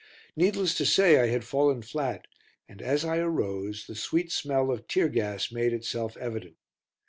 Needless to say I had fallen flat, and, as I arose, the sweet smell of tear gas made itself evident.